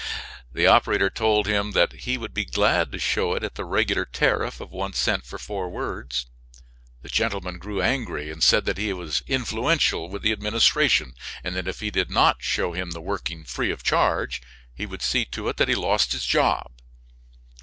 The operator told him that he would be glad to show it at the regular tariff of one cent for four words. The gentleman grew angry and said that he was influential with the administration, and that if he did not show him the working free of charge he would see to it that he lost his job.